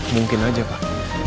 mungkin aja pak